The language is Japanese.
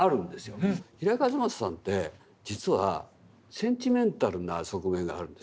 平井和正さんって実はセンチメンタルな側面があるんですよ。